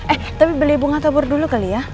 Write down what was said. eh tapi beli bunga tabur dulu kali ya